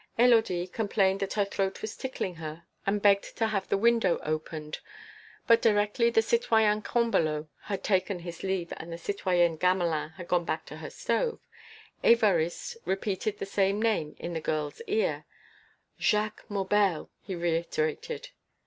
Élodie complained that her throat was tickling her and begged to have the window opened. But, directly the citoyen Combalot had taken his leave and the citoyenne Gamelin had gone back to her stove, Évariste repeated the same name in the girl's ear: "Jacques Maubel," he reiterated.